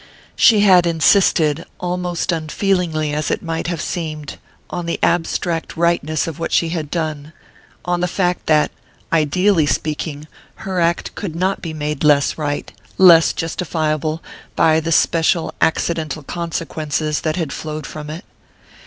She had insisted, almost unfeelingly as it might have seemed, on the abstract rightness of what she had done, on the fact that, ideally speaking, her act could not be made less right, less justifiable, by the special accidental consequences that had flowed from it.